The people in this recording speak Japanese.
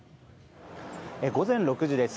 午前６時です。